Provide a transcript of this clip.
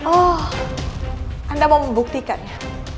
oh anda mau membuktikan ya